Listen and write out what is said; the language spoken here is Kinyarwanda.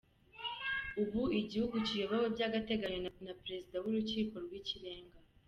Ubu igihugu kiyobowe by’agateganyo na Pezida w’Urukiko rw’Ikirenga.